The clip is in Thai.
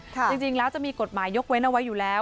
จริงแล้วจะมีกฎหมายยกเว้นเอาไว้อยู่แล้ว